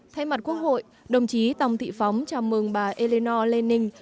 thay mặt quốc hội đồng chí tòng thị phóng chào mừng bà eleanor lenning